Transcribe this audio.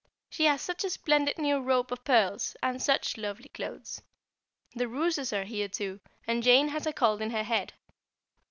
She has such a splendid new rope of pearls, and such lovely clothes. The Rooses are here too, and Jane has a cold in her head.